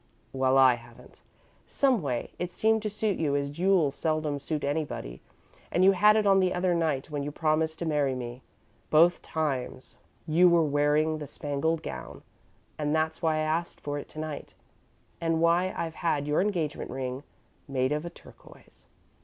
"Well, I haven't. Someway, it seemed to suit you as jewels seldom suit anybody, and you had it on the other night when you promised to marry me. Both times you were wearing the spangled gown, and that's why I asked for it to night, and why I've had your engagement ring made of a turquoise."